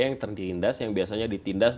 yang tertindas yang biasanya ditindas